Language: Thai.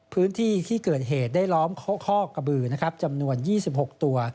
พื้นที่ที่เกิดเหตุได้ล้อมข้อกระบือนะครับจำนวน๒๖ตัว